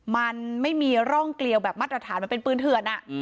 มันไม่มีร่องเกลียวแบบมาตรฐานมันเป็นปืนเถื่อน